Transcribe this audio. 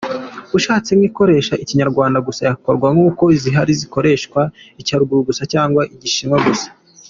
Ushatse n’ikoresha Ikinyarwanda gusa yakorwa nkuko zihari zikoresha Icyarabu gusa cyangwa Igishinwa gusa.